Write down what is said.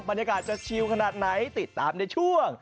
บรรยากาศจะชิลขนาดไหนติดตามในช่วง